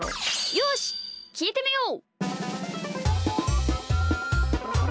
よしきいてみよう！